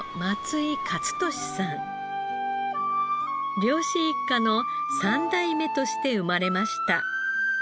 漁師一家の３代目として生まれました。